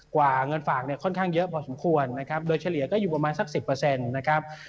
กว่าเงินฝากเนี่ยค่อนข้างเยอะพอสมควรนะครับโดยเฉลี่ยก็อยู่ประมาณสัก๑๐นะครับ